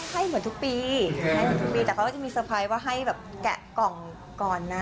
ขอให้เหมือนทุกปีแต่ก็จะมีสเตอร์ไพรส์ว่าให้แบบแกะกล่องก่อนนะ